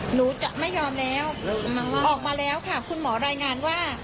หนูจะไม่ยอมแล้วออกมาแล้วค่ะคุณหมอรายงานว่า